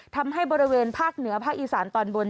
ทำให้บริเวณภาคเหนือภาคอีสานตอนบน